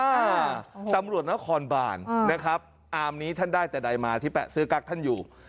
อ่าตำรวจนครบานนะครับอามนี้ท่านได้แต่ใดมาที่แปะซื้อกั๊กท่านอยู่